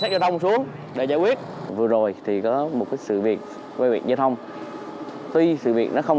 xét giao thông xuống để giải quyết vừa rồi thì có một cái sự việc giao thông tuy sự việc nó không